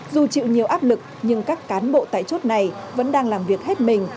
dù chịu nhiều áp lực nhưng các cán bộ tại chốt này vẫn đang làm việc hết mình